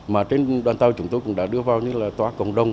mà trên đoàn tàu chúng tôi cũng đã đưa vào như là tòa cộng đồng